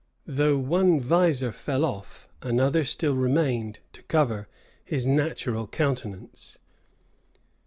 Though one visor fell off another still remained to cover his natural countenance.